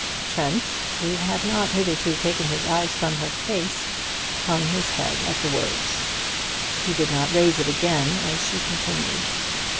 Trent, who had not hitherto taken his eyes from her face, hung his head at the words. He did not raise it again as she continued.